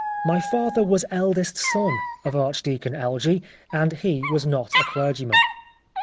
My father was eldest son of Archdeacon Elgee, and he was not a clergy man."